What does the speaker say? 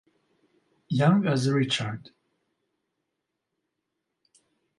Young as Richard.